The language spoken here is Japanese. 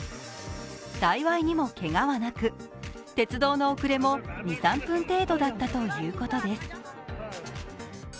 幸いにもけがはなく、鉄道の遅れも２３分程度だったということです。